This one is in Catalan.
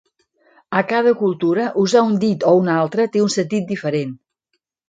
A cada cultura usar un dit o un altre té un sentit diferent.